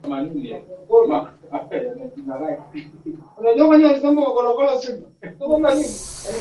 Vituo vya redio navyo vikaanza kuutazama muziki wa Rap kwa jicho la tofauti